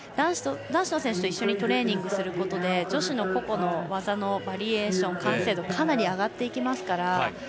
男子の選手と一緒にトレーニングすることで女子の個々の技のバリエーション完成度がかなり上がっていきますから。